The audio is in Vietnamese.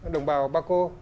đồng bào paco